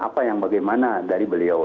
apa yang bagaimana dari beliau